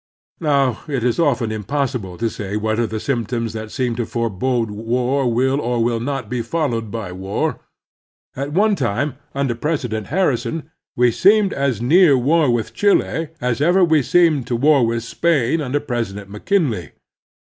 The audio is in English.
Now, it is often impossible to say whether the symptoms that seem to forbode war will or will not be fol lowed by war. At one time, under President Har rison, we seemed as near war with Chile as ever we seemed to war with Spain under President Mc Kinley.